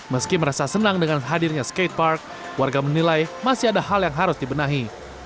meski merasa senang dengan hadirnya skatepark warga menilai masih ada hal yang harus dibenahi